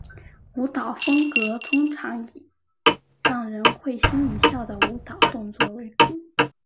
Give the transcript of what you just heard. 舞蹈风格通常以让人会心一笑的舞蹈动作为主。